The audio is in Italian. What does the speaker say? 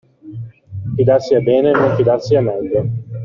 Fidarsi è bene non fidarsi è meglio.